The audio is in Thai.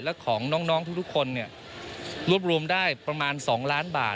และของน้องของพี่แต่ก็รวบรวมได้ประมาณ๒พลาดบาทครบ